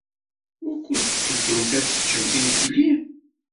Wukud tetteddumt ad teččemt imekli?